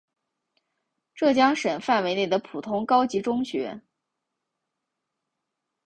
浙江省范围内的普通高级中学。